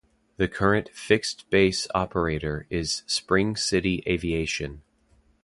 The current fixed-base operator is Spring City Aviation.